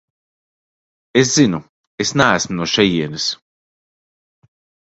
Es zinu, es neesmu no šejienes.